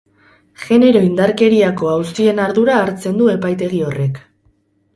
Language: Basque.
Genero-indarkeriako auzien ardura hartzen du epaitegi horrek.